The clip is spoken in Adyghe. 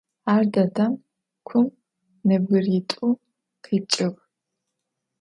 Ar dedem kum nebgırit'u khipç'ığ.